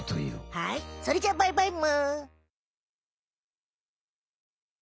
はいそれじゃバイバイむ！